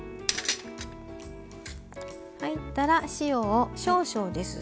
入ったら塩を少々です。